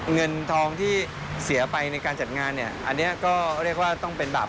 เงินทองที่เสียไปในการจัดงานเนี่ยอันนี้ก็เรียกว่าต้องเป็นแบบ